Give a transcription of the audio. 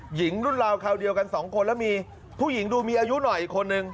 หญิงรุ่นราวคราวเดียวกันสองคนแล้วมีผู้หญิงดูมีอายุหน่อยอีกคนนึง